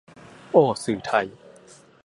โอ้สื่อไทย